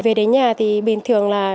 về đến nhà thì bình thường là